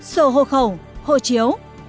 sổ hộ khẩu hộ chiếu